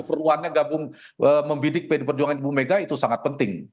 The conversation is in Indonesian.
perluannya gabung membidik pdp perjuangan ibu megawati soekarno putri itu sangat penting